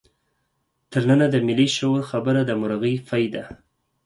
تر ننه د ملي شعور خبره د مرغۍ پۍ ده.